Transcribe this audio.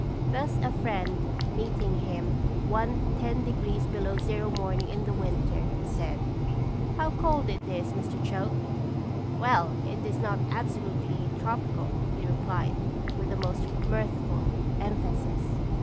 "Thus, a friend meeting him one ten degrees below zero morning in the winter, said: 'How cold it is, Mr. Choate.' 'Well, it is not absolutely tropical,' he replied, with a most mirthful emphasis."